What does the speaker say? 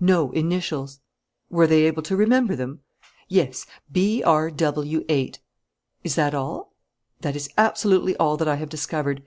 "No, initials." "Were they able to remember them?" "Yes: B.R.W.8." "Is that all?" "That is absolutely all that I have discovered.